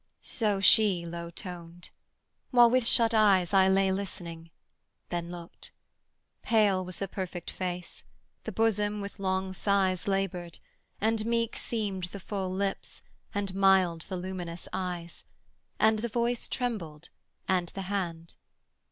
So she low toned; while with shut eyes I lay Listening; then looked. Pale was the perfect face; The bosom with long sighs laboured; and meek Seemed the full lips, and mild the luminous eyes, And the voice trembled and the hand.